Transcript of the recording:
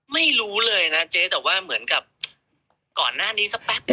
ไม่รู้เลยนะเจ๊แต่ว่าเหมือนกับก่อนหน้านี้สักแป๊บนึ